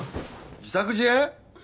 自作自演？